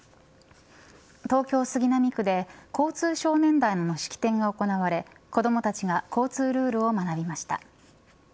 東京、杉並区で交通少年団の式典が行われ、子どもたちが交通ルールを学びました。